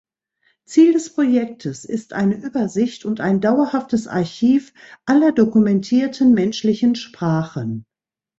Ziel des Projektes ist eine Übersicht und ein dauerhaftes Archiv aller dokumentierten menschlichen Sprachen.